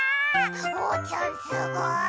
おうちゃんすごい！